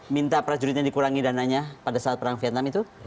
minta prajuritnya dikurangi dananya pada saat perang vietnam itu